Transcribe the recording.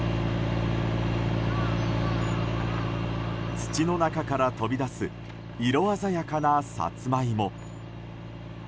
土の中から飛び出す色鮮やかなサツマイモ。